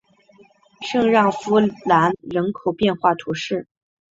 圣让夫兰人口变化图示